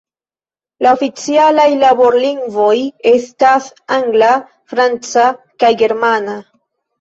La oficialaj laborlingvoj estas angla, franca kaj germana.